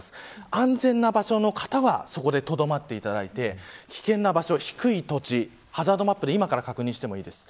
安全な場所の方はそこでとどまっていただいて危険な場所、低い土地ハザードマップで今から確認してもいいです。